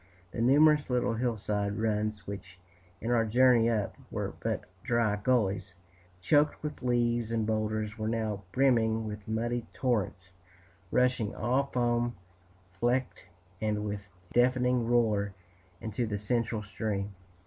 The numerous little hillside runs which, in our journey up, were but dry gullies choked with leaves and boulders, were now brimming with muddy torrents, rushing all foam flecked and with deafening roar into the central stream.